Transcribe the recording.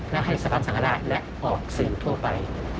และให้สะพานสังฆราชและออกสื่อทั่วไป